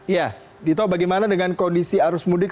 ya di tol bagaimana dengan kondisi arus mudik